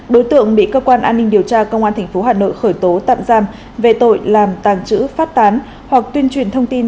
đối tượng bị cơ quan an ninh điều tra công an tp hà nội khởi tố tạm giam về tội làm tàng trữ phát tán hoặc tuyên truyền thông tin